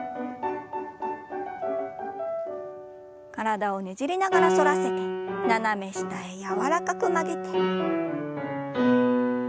体をねじりながら反らせて斜め下へ柔らかく曲げて。